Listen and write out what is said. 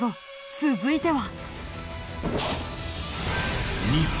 続いては。